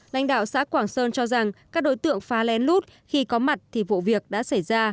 lãnh đạo xã quảng sơn cho rằng các đối tượng phá lén lút khi có mặt thì vụ việc đã xảy ra